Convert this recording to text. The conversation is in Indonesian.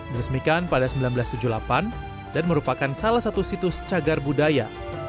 diresmikan pada seribu sembilan ratus tujuh puluh delapan dan merupakan salah satu situs cagar budaya